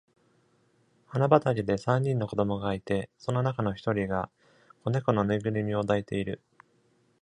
花畑で三人の子供がいて、その中のひとりが子猫のぬいぐるみを抱いている。